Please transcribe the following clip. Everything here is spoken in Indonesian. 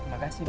terima kasih bu